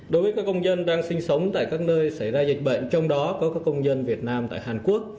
đối với các công nhân đang sinh sống tại các nơi xảy ra dịch bệnh trong đó có các công dân việt nam tại hàn quốc